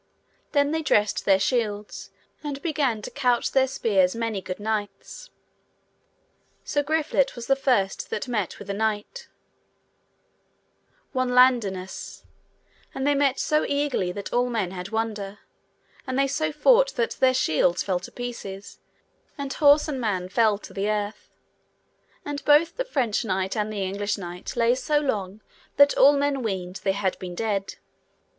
Then they dressed their shields, and began to couch their spears many good knights. So Griflet was the first that met with a knight, one Ladinas, and they met so eagerly that all men had wonder; and they so fought that their shields fell to pieces, and horse and man fell to the earth; and both the French knight and the English knight lay so long that all men weened they had been dead.